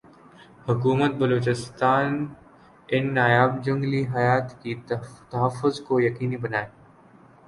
حکومت بلوچستان ان نایاب جنگلی حیات کی تحفظ کو یقینی بنائے